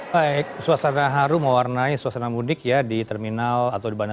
baik suasana haru mewarnai suasana mudik ya di terminal atau di bandara